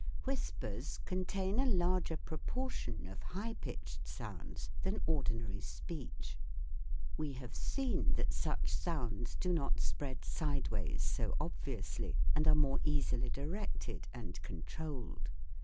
Whispers contain a larger proportion of high pitched sounds than ordinary speech : we have seen that such sounds do not 86 THE WORLD OF SOUND spread sideways so obviously, and are more easily directed and controlled.